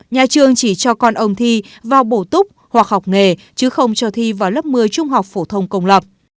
nhà trường chỉ cho con ông thi vào bổ túc hoặc học nghề chứ không cho thi vào lớp một mươi trung học phổ thông công lập